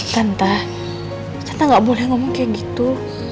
tante tante gak boleh ngomong kayak gitu